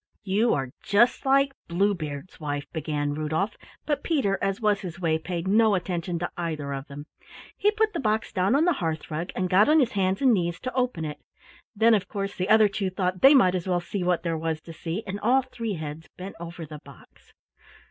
"You are just like Bluebeard's wife," began Rudolf, but Peter as was his way paid no attention to either of them. He put the box down on the hearth rug, and got on his hands and knees to open it. Then, of course, the other two thought they might as well see what there was to see, and all three heads bent over the box.